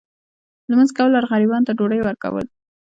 لمونځ کول او غریبانو ته ډوډۍ ورکول.